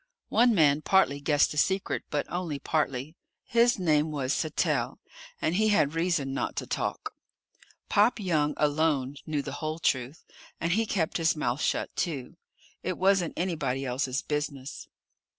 One man partly guessed the secret, but only partly. His name was Sattell and he had reason not to talk. Pop Young alone knew the whole truth, and he kept his mouth shut, too. It wasn't anybody else's business.